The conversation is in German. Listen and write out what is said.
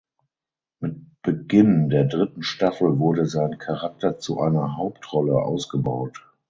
Mit Beginn der dritten Staffel wurde sein Charakter zu einer Hauptrolle ausgebaut.